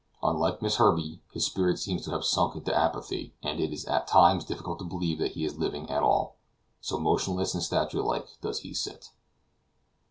Unlike Miss Herbey, his spirit seems to have sunk into apathy, and it is at times difficult to believe that he is living at all, so motionless and statue like does he sit.